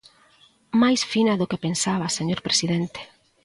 Máis fina do que pensaba, señor presidente.